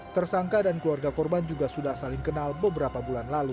tersangka dan keluarga korban juga sudah saling kenal beberapa bulan lalu